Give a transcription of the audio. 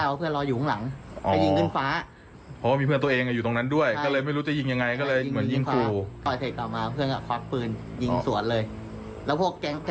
ก็คือแต่ก่อนนั้นก็มีเสียงระเบิดก่อนนะครับพี่อ๋อมีเสียงระเบิด